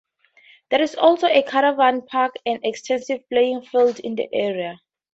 There is also a caravan park and extensive playing fields in the area.